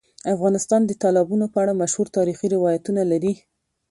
افغانستان د تالابونو په اړه مشهور تاریخی روایتونه لري.